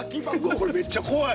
これめっちゃ怖い！